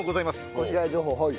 越谷情報はい。